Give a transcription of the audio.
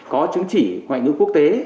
có chứng chỉ ngoại ngữ quốc tế